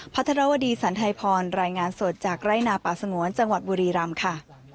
พระธรวดีสันไทยพรรายงานสดจากไร่นาป่าสงวนจังหวัดบุรีรำค่ะ